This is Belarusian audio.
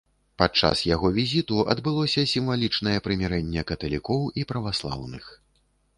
Падчас яго візіту адбылося сімвалічнае прымірэнне каталікоў і праваслаўных.